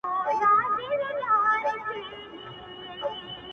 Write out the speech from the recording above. خو ذهن کي يې شته ډېر,